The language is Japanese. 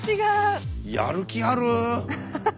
やる気ある！